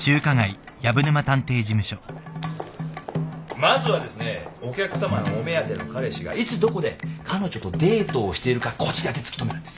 まずはですねお客さまのお目当ての彼氏がいつどこで彼女とデートをしているかこちらで突き止めるんです。